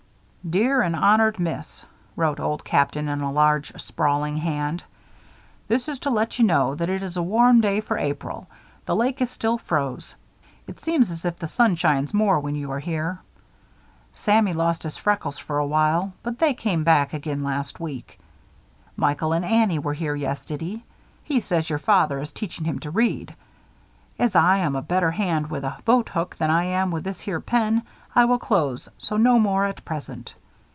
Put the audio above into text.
DEAR AND HONORED MISS [wrote Old Captain, in a large, sprawling hand]: This is to let you know that it is a warm day for April. The lake is still froze. It seems as if the sun shines more when you are here. Sammy lost his freckles for a while, but they come back again last week. Michael and Annie were here yestiddy. He says your father is teaching him to read. As I am a better hand with a boat hook than I am with this here pen, I will close, so no more at present.